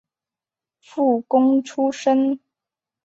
附贡出身。